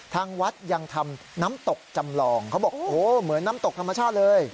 ทางวัดยังทำน้ำตกจำลองเขาบอกโอ้โหเหมือนน้ำตกธรรมชาติเลย